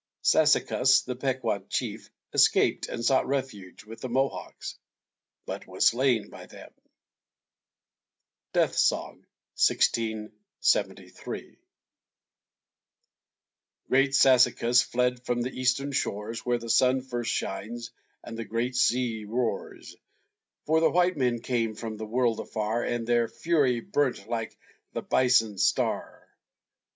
Sassacus, the Pequot chief, escaped and sought refuge with the Mohawks, but was slain by them. DEATH SONG Great Sassacus fled from the eastern shores, Where the sun first shines, and the great sea roars, For the white men came from the world afar, And their fury burnt like the bison star.